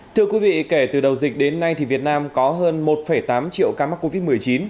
thưa quý vị kể từ đầu dịch đến nay việt nam có hơn một tám triệu ca mắc covid một mươi chín